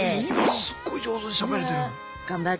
今すっごい上手にしゃべれてる。